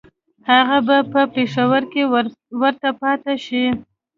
هغه به په پېښور کې ورته پاته شي.